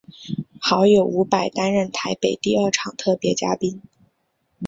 好友伍佰担任台北第二场特别嘉宾。